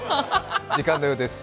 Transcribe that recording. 時間のようです。